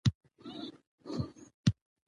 او خپل ارزښت له لاسه ورکوي